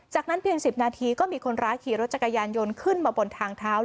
จากนั้นเพียง๑๐นาทีก็มีคนร้ายขี่รถจักรยานยนต์ขึ้นมาบนทางเท้า